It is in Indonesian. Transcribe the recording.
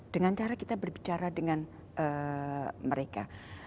dengan cara kita berbicara dengan mereka